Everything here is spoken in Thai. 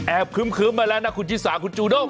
แอบคื้มคื้มมาแล้วนะคุณจีสานคุณจูโด่ง